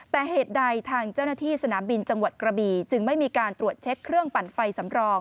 แต่เหตุใดทางเจ้าหน้าที่สนามบินจังหวัดกระบีจึงไม่มีการตรวจเช็คเครื่องปั่นไฟสำรอง